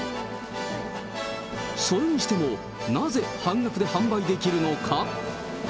それにしても、なぜ半額で販売できるのか。